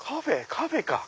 カフェか！